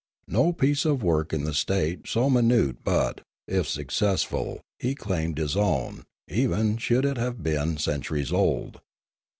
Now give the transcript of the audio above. No piece of work in the state so minute but, if successful, he claimed as his own, even should it have been centuries old.